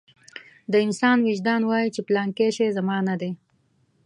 د انسان وجدان وايي چې پلانکی شی زما نه دی.